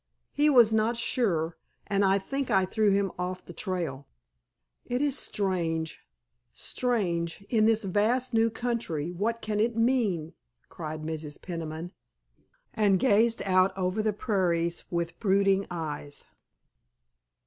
He was not sure, and I think I threw him off the trail." "It is strange—strange—in this vast new country—what can it mean?" cried Mrs. Peniman, and gazed out over the prairies with brooding eyes.